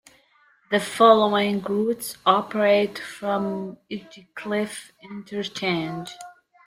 The following routes operate from Edgecliff Interchange.